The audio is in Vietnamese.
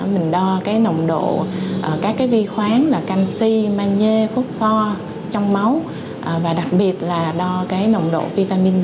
mình đo nồng độ các vi khoáng là canxi manhê phúc pho trong máu và đặc biệt là đo nồng độ vitamin d